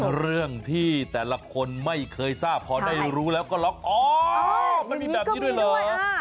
เรื่องที่แต่ละคนไม่เคยทราบพอได้รู้แล้วก็ล็อกอ๋อมันมีแบบนี้ด้วยเหรอ